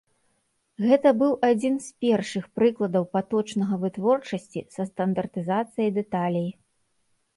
Гэта быў адзін з першых прыкладаў паточнага вытворчасці са стандартызацыяй дэталей.